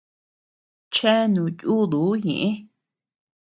Cheanu yúduu ñeʼë.